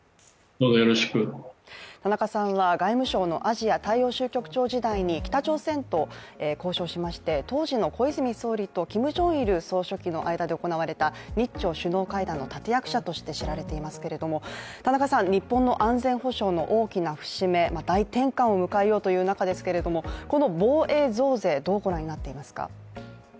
田中さんは、外務省のアジア太平洋局長時代に北朝鮮と交渉しまして、当時の小泉総理とキム・ジョンイル総書記の間で日朝首脳会談の立て役者として知られていますけれども、日本の安全保障の大きな節目、大転換を迎えようという中ですけれども防衛増税、どうご覧になっていますか。